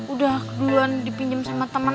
udah duluan dipinjem sama temen